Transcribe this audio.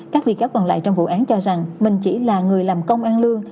các bị cáo còn lại trong vụ án cho rằng mình chỉ là người làm công ăn lương